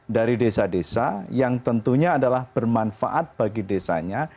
dari desa desa yang tentunya adalah bermanfaat bagi desanya